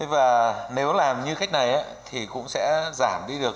và nếu làm như khách này thì cũng sẽ giảm đi được